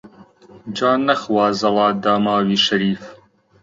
جا نەخوازەڵا داماوی شەریف